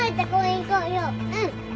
うん。